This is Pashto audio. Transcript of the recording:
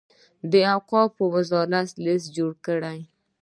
د اوقافو وزارت لست جوړ کړي.